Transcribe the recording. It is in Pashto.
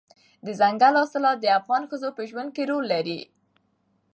دځنګل حاصلات د افغان ښځو په ژوند کې رول لري.